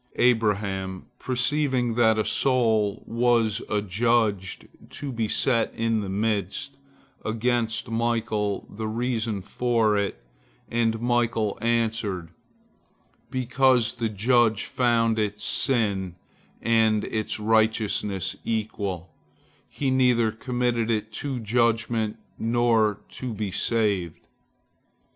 Abraham, perceiving that a soul was adjudged to be set in the midst, asked Michael the reason for it, and Michael answered, "Because the judge found its sins and its righteousness equal, he neither committed it to judgment nor to be saved."